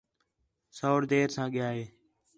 سوڑ دیر ساں ڳِیا ہِے